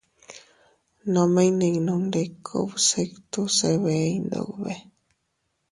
Nome iynninundiku bsitu se bee Iyndube.